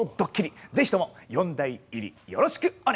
ぜひとも四大入りよろしくお願いいたします。